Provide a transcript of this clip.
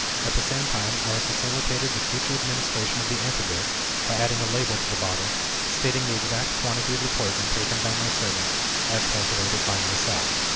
At the same time, I have facilitated the future administration of the antidote by adding a label to the bottle, stating the exact quantity of the poison taken by my servant, as calculated by myself.